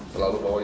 selalu bawa ini